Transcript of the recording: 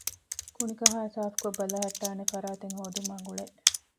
ކުނިކަހައި ސާފުކޮށް ބަލަހައްޓާނެ ފަރާތެއް ހޯދުމާ ގުޅޭ